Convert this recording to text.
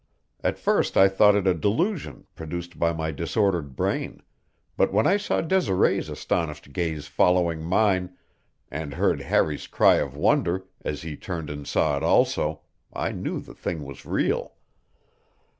At first I thought it a delusion produced by my disordered brain, but when I saw Desiree's astonished gaze following mine, and heard Harry's cry of wonder as he turned and saw it also, I knew the thing was real.